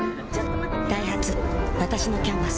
ダイハツわたしの「キャンバス」